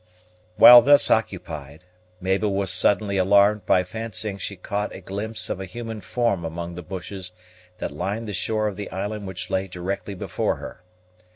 While thus occupied, Mabel was suddenly alarmed by fancying that she caught a glimpse of a human form among the bushes that lined the shore of the island which lay directly before her.